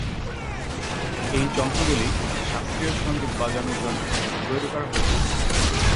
এই যন্ত্রগুলি শাস্ত্রীয় সংগীত বাজানোর জন্য তৈরি করা হয়েছিল।